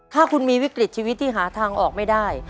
ถ้าคุณมีวิกฤตชีวิตที่หาทางออกไม่ได้